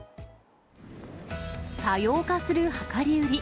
多様化する量り売り。